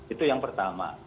itu yang pertama